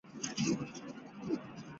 之后加入陆军志愿役士兵。